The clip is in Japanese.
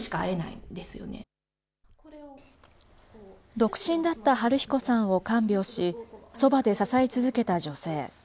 独身だった晴彦さんを看病し、そばで支え続けた女性。